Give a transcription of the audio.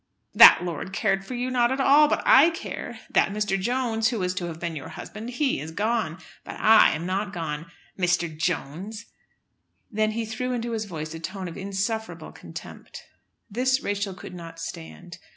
"That lord cared for you not at all, but I care. That Mr. Jones, who was to have been your husband, he is gone; but I am not gone. Mr. Jones!" then he threw into his voice a tone of insufferable contempt. This Rachel could not stand.